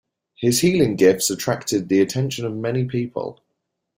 His healing gifts attracted the attention of many people.